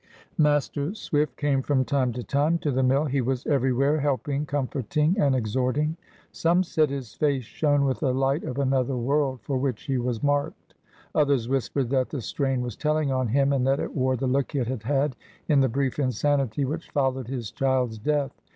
Master Swift came from time to time to the mill. He was everywhere, helping, comforting, and exhorting. Some said his face shone with the light of another world, for which he was "marked." Others whispered that the strain was telling on him, and that it wore the look it had had in the brief insanity which followed his child's death.